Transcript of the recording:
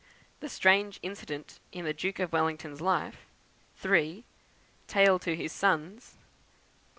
The strange Incident in the Duke of Wellington's Life; 3. Tale to his Sons; 4.